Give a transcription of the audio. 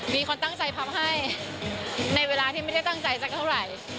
มีคนตั้งใจทำให้ในเวลาที่ไม่ได้ตั้งใจสักเท่าไหร่